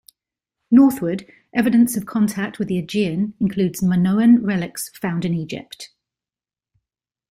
Northward, evidence of contact with the Aegean includes Minoan relics found in Egypt.